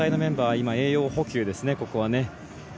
ここは栄養補給ですね。